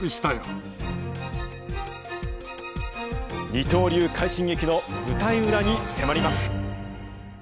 二刀流快進撃の舞台裏に迫ります。